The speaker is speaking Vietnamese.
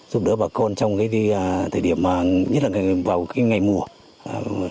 giúp đỡ bà con trong cái thời điểm nhất là vào cái ngày mùa